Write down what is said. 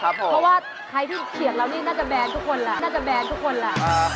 เพราะว่าใครที่เขียนเรานี่น่าจะแบนทุกคนล่ะ